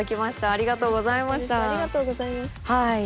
ありがとうございます。